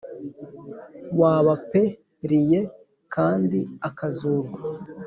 wabap riye kandi akazurwa